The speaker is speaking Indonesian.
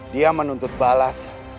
dia menuntut balas